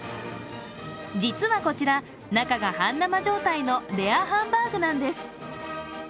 実はこちら中が半生状態のレアハンバーグなんです。